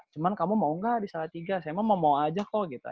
cuma kamu mau nggak di salah tiga saya mau mau aja kok gitu